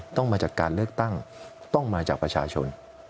ต้องมาจากการเลือกตั้งต้องมาจากประชาชน